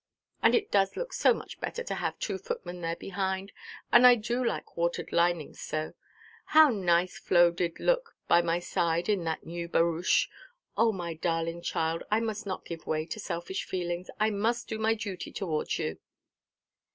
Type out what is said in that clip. And it does look so much better to have two footmen there behind; and I do like watered linings so. How nice Flo did look by my side in that new barouche! Oh, my darling child, I must not give way to selfish feelings. I must do my duty towards you."